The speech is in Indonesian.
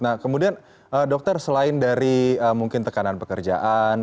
nah kemudian dokter selain dari mungkin tekanan pekerjaan